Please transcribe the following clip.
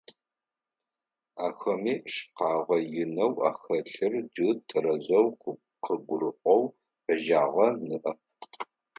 Ахэми шъыпкъэгъэ инэу ахэлъыр джы тэрэзэу къыгурыӀоу фежьагъэ ныӀэп.